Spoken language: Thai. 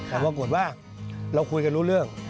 แต่ปรากฏว่าเราคุยกันรู้เรื่อง